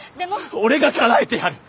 俺がかなえてやる！